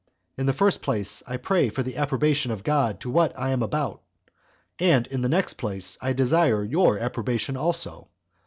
And, in the first place, I pray for the approbation of God to what I am about; and, in the next place, I desire your approbation also.